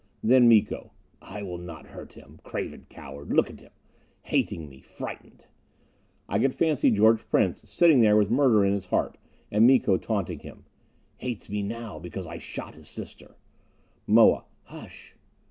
Then Miko: "I will not hurt him. Craven coward! Look at him! Hating me frightened!" I could fancy George Prince sitting there with murder in his heart, and Miko taunting him: "Hates me now, because I shot his sister!" Moa: "Hush!"